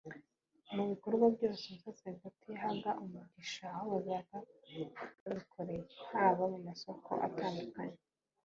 Mu bikorwa byose Umusaseridoti yahaga umugisha aho babaga babikoreye haba mu masoko atandukanye